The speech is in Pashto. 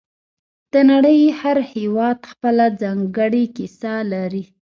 د نړۍ هر هېواد خپله ځانګړې کیسه لري